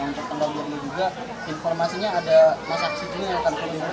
yang menunggu putusannya itu nanti